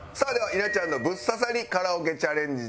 稲ちゃんのブッ刺さりカラオケチャレンジです。